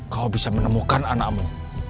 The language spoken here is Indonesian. kau bisa menemukan anakmu